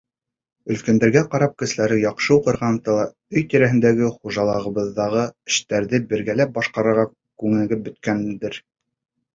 Өлкәндәргә ҡарап, кеселәре яҡшы уҡырға ынтыла, өй тирәһендәге, хужалығыбыҙҙағы эштәрҙе бергәләп башҡарырға күнегеп бөткәндәр.